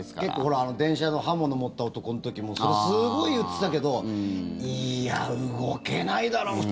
結構電車の刃物持った男の時もそれ、すごい言ってたけどいや、動けないだろ